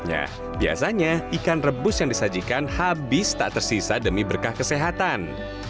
ya biasanya ikan rebus yang disajikan habis tak tersisa demi berkah kesehatan